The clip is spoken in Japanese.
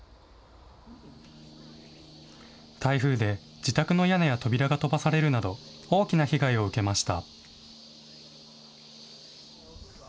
台風で自宅の屋根や扉が飛ばされるなど、大きな被害を受けました。